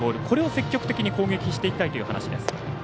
これを積極的に攻撃していきたいという話です。